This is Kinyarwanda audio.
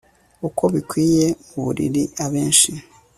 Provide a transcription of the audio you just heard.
uko bikwiye mu buriri abenshi